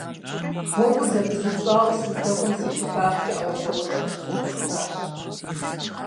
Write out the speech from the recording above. Гъуэгур зэпызупщӀауэ сыздэкӀуэм си щӀыбагъкӀэ Ӏэуэлъауэшхуэ щызэхэсхащ.